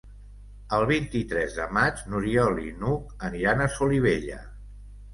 El vint-i-tres de maig n'Oriol i n'Hug aniran a Solivella.